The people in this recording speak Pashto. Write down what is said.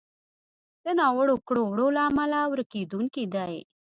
د ناوړو کړو وړو له امله ورکېدونکی دی.